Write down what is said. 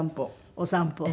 お散歩。